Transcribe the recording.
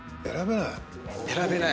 選べない。